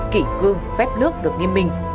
kỷ cương phép nước được nghiêm minh